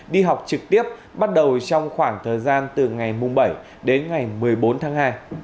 đi học trực tiếp bắt đầu trong khoảng thời gian từ ngày bảy đến ngày một mươi bốn tháng hai